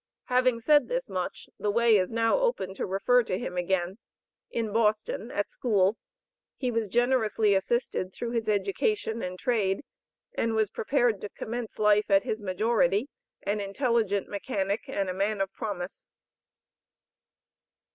Having said this much, the way is now open to refer to him again, in Boston at school. He was generously assisted through his education and trade, and was prepared to commence life at his majority, an intelligent mechanic, and a man of promise.